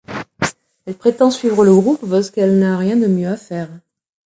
Elle prétend suivre le groupe parce qu'elle n'a rien de mieux à faire.